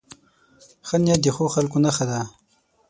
ښه نیت د ښو خلکو نښه ده.